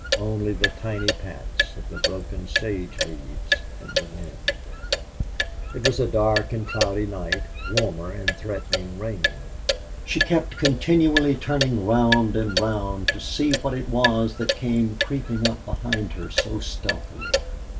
Only the tiny pats of the broken sage leaves in the wind! It was a dark and cloudy night, warmer and threatening rain. She kept continually turning round and round to see what it was that came creeping up behind her so stealthily.